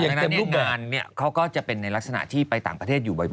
ดังนั้นเนี่ยงานเนี่ยเขาก็เป็นในลักษณะที่ไปต่างประเทศอยู่บ่อย